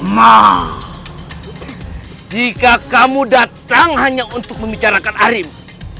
nah jika kamu datang hanya untuk membicarakan arimbi